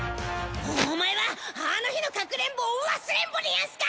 お前はあの日のかくれんぼを忘れんぼでヤンスか！？